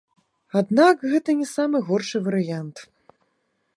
Аднак гэта не самы горшы варыянт.